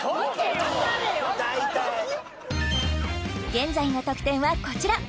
現在の得点はこちら！